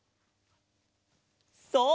そう！